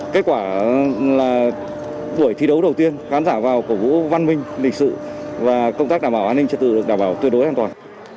kết quả là buổi thi đấu đầu tiên khán giả vào cổ vũ văn minh lịch sự và công tác đảm bảo an ninh trật tự được đảm bảo tuyệt đối an toàn